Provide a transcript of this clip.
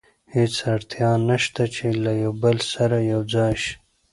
هېڅ اړتیا نه شته چې له یو بل سره یو ځای شي.